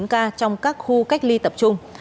ba trăm một mươi chín ca trong các khu cách ly tập trung